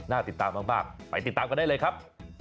ติดตามมากไปติดตามกันได้เลยครับ